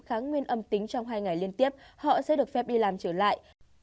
kháng nguyên âm tính trong hai ngày liên tiếp họ sẽ được phép đi làm trở lại